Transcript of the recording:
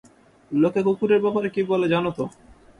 লোকে কুকুরের ব্যাপারে কী বলে জানো তো?